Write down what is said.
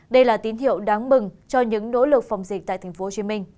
đây là tín hiệu đáng mừng cho những nỗ lực phòng dịch tại tp hcm